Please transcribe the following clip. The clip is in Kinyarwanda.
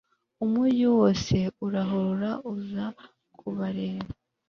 umugi wose urahurura uza kubareba